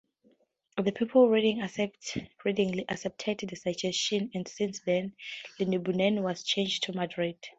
The people readily accepted the suggestion and since then, Linibunan was changed to Madrid.